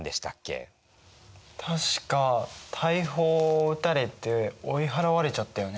確か大砲を撃たれて追い払われちゃったよね。